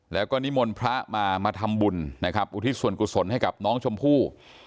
แล้วก็นิมนต์พระมามาทำบุญนะครับอุทิศส่วนกุศลให้กับน้องชมพู่